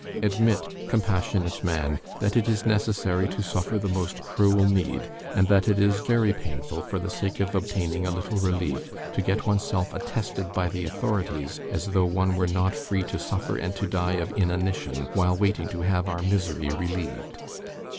Admit, compassionate man, that it is necessary to suffer the most cruel need, and that it is very painful, for the sake of obtaining a little relief, to get oneself attested by the authorities as though one were not free to suffer and to die of inanition while waiting to have our misery relieved.